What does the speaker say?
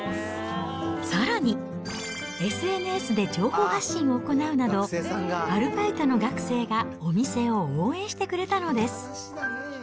さらに、ＳＮＳで情報発信を行うなど、アルバイトの学生がお店を応援してくれたのです。